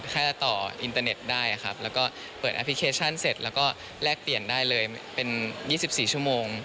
แค่ต่ออินเตอร์เน็ตได้ครับแล้วก็เปิดแอปพลิเคชันเสร็จแล้วก็แลกเปลี่ยนได้เลยเป็น๒๔ชั่วโมง